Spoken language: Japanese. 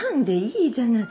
いいじゃない。